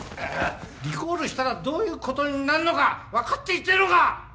リコールしたらどういうことになるのか分かって言ってるのか！